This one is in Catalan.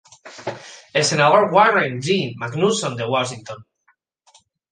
El senador Warren G. Magnuson de Washington.